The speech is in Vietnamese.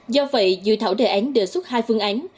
do vậy dự thảo đề án đề xuất hai phương án